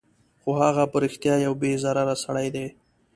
خو هغه په رښتیا یو بې ضرره سړی دی